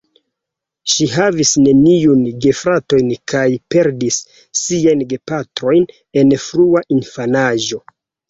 Ŝi havis neniujn gefratojn kaj perdis siajn gepatrojn en frua infanaĝo.